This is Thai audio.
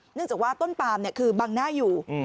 เนื่องจากว่าต้นปามคือบังหน้าอยู่